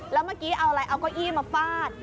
แล้วเมื่อกี้เอาอะไรเอาเก้าอี้มาฟาด